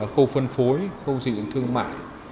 khâu phân phối khâu xây dựng thương mại